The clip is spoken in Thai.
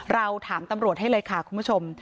เราถามตำรวจให้เลยค่ะคุณผู้ชม